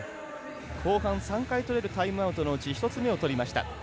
後半、３回取れるタイムアウトのうち１つ目を取りました。